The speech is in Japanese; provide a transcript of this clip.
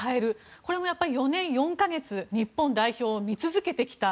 これも４年４か月日本代表を見続けてきた。